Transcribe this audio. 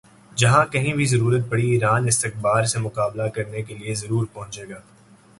جہاں کہیں بھی ضرورت پڑی ایران استکبار سے مقابلہ کرنے کے لئے ضرور پہنچے گا